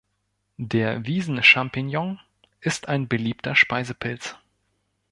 Der Wiesen-Champignon ist ein beliebter Speisepilz.